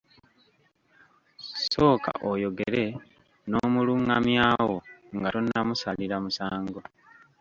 Sooka oyogere n'omulungamyawo nga tonnamusalira musango.